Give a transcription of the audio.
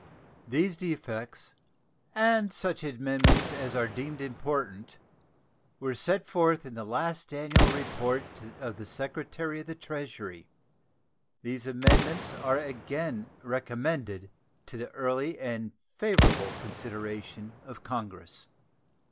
These defects and such amendments as are deemed important were set forth in the last annual report of the Secretary of the Treasury. These amendments are again recommended to the early and favorable consideration of Congress.